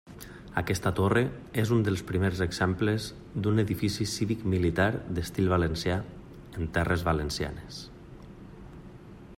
Aquesta torre és un dels primers exemples d'un edifici cívic-militar d'estil valencià en terres valencianes.